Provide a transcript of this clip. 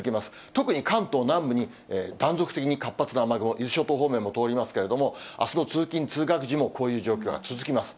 特に関東南部に断続的に活発な雨雲、伊豆諸島方面も通りますけれども、あすの通勤・通学時もこういう状況が続きます。